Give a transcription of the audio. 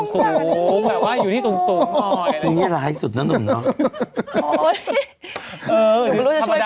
ชอบดอยสูงแต่ว่าอยู่ตริดที่สูงหมด